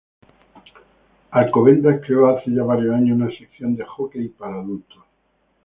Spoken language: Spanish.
Alcobendas creó hace ya varios años una sección de hockey para adultos.